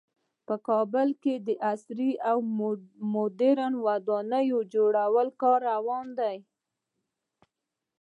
په کابل کې د عصري او مدرن ودانیو جوړولو کار روان ده